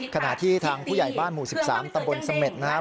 ขณะที่ทางผู้ใหญ่บ้านหมู่๑๓ตำบลเสม็ดนะครับ